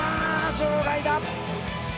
場外だ。